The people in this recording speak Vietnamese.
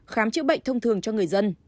khám triệu bệnh thông thường cho người dân